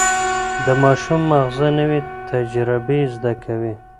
د ماشوم ماغزه نوي تجربې زده کوي.